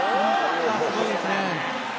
すごいですね。